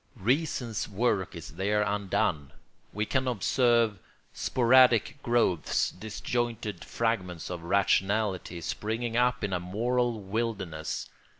Reason's work is there undone. We can observe sporadic growths, disjointed fragments of rationality, springing up in a moral wilderness.